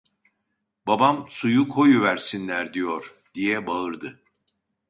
"Babam suyu koyuversinler diyor!" diye bağırdı.